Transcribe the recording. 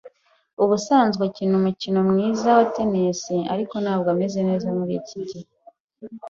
Ubusanzwe akina umukino mwiza wa tennis, ariko ntabwo ameze neza muri iki gihe.